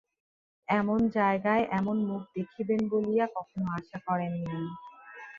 এমন জায়গায় এমন মুখ দেখিবেন বলিয়া কখনো আশা করেন নাই।